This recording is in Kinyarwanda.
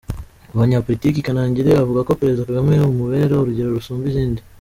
Mu banyapolitiki, Kanangire avuga ko Perezida Kagame amubera urugero rusumba izindi.